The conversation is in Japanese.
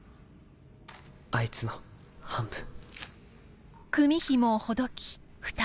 あいつの半分。